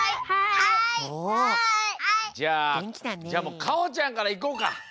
じゃあもうかほちゃんからいこうか！